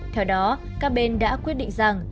theo đó các bên đã quyết định rằng